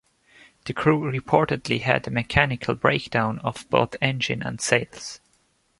The crew reportedly had a mechanical breakdown of both engine and sails.